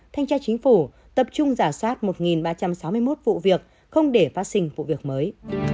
thanh tra chính phủ tập trung giả soát một ba trăm sáu mươi một vụ việc không để phát sinh vụ việc mới